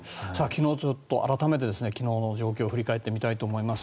改めて昨日の状況を振り返ってみたいと思います。